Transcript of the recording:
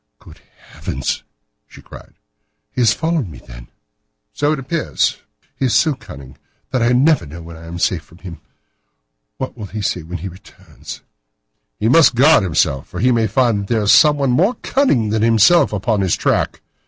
"Good heavens!" she cried, "he has followed me, then." "So it appears." "He is so cunning that I never know when I am safe from him. What will he say when he returns?" "He must guard himself, for he may find that there is someone more cunning than himself upon his track.